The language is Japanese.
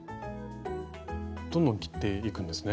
どんどん切っていくんですね。